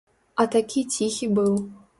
А такі ціхі быў.